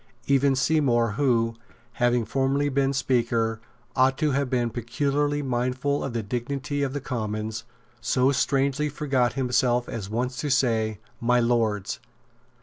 Even Seymour, who, having formerly been Speaker, ought to have been peculiarly mindful of the dignity of the Commons, so strangely forgot himself as once to say "My Lords."